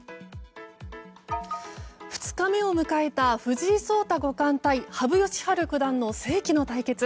２日目を迎えた藤井聡太五冠対羽生善治九段の世紀の対決。